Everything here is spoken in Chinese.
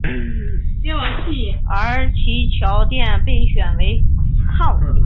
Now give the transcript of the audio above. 而其桥殿被选为。